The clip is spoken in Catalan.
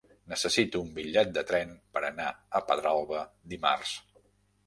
Necessito un bitllet de tren per anar a Pedralba dimarts.